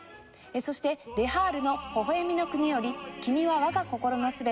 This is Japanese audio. そしてレハールの『ほほえみの国』より『君はわが心のすべて』。